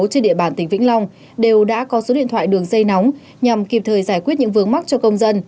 trên địa bàn tỉnh vĩnh long đều đã có số điện thoại đường dây nóng nhằm kịp thời giải quyết những vướng mắc cho công dân